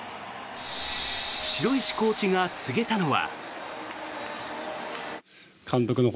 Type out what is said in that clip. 城石コーチが告げたのは。